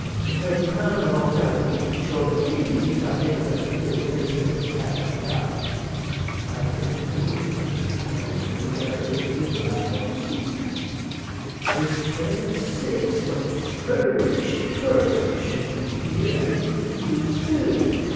an uncommon long time to wait, to be sure; but 'tain't easy to find anybody to fill the place o' Hezekier Bedott. I think you're the most like husband of ary individdiwal I ever see, Mr. Crane. Six months! murderation! cur'us you should be afeard I'd think 'twas too soon.